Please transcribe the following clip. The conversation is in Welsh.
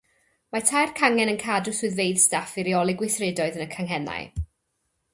Mae'r tair cangen yn cadw swyddfeydd staff i reoli gweithredoedd yn y canghennau.